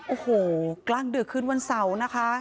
โอ้โหกล้างเดือกขึ้นวันเสาร์นะคะ